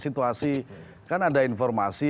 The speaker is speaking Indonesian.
situasi kan ada informasi